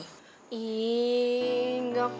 ih enggak kok